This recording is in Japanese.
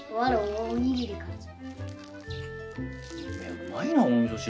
うまいなおみそ汁。